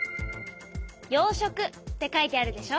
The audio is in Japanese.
「養殖」って書いてあるでしょ。